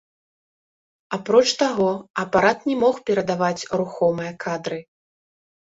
Апроч таго, апарат не мог перадаваць рухомыя кадры.